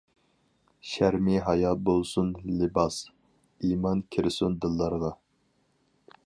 شەرمى ھايا بولسۇن لىباس، ئىمان كىرسۇن دىللارغا.